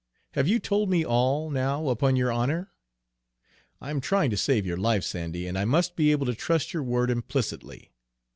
"Have you told me all, now, upon your honor? I am trying to save your life, Sandy, and I must be able to trust your word implicitly.